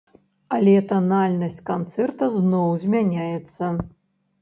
Але танальнасць канцэрта зноў змяняецца.